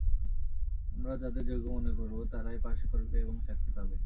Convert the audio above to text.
আমরা যাদের যোগ্য মনে করব, তারাই পাস করবে এবং চাকরি পাবে।